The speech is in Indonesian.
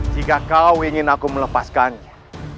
jika kau ingin aku melepaskannya